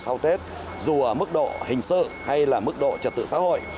sau tết dù ở mức độ hình sự hay là mức độ trật tự xã hội